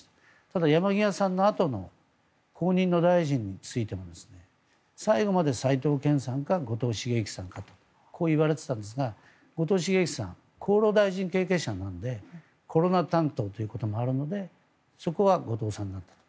ただ、山際さんのあとの後任の大臣については最後まで斎藤健さんか後藤茂之さんかこういわれていたんですが後藤茂之さん厚労大臣経験者なのでコロナ担当ということもあるのでそこは後藤さんなんだと。